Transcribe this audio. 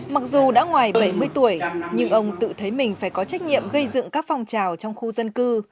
mặc dù đã ngoài bảy mươi tuổi nhưng ông tự thấy mình phải có trách nhiệm gây dựng các phong trào trong khu dân cư